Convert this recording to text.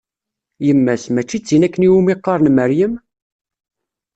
Yemma-s, mačči d tin akken iwumi i qqaren Meryem?